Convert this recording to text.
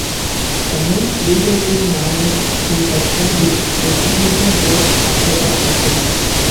The men's legal team managed to suspend the execution date after the verdict.